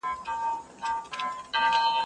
زه مکتب نه خلاصیږم؟